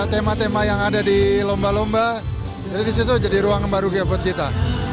tema tema yang ada di lomba lomba jadi disitu jadi ruang baru ya buat kita